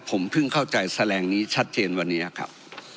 ผมเพิ่งเข้าใจแสลงนี้ชัดเจนวันนี้ครับ